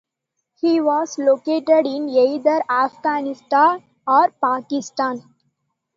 He was located in either Afghanistan or Pakistan.